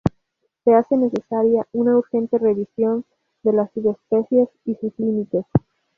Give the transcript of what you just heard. Se hace necesaria una urgente revisión de las subespecies y sus límites.